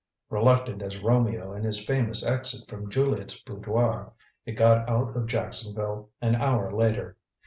Reluctant as Romeo in his famous exit from Juliet's boudoir, it got out of Jacksonville an hour later.